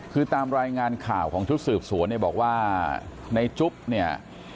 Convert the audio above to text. คือตามรายงานข่าวของทศสวนบอกว่านายจุ๊บเนี่ย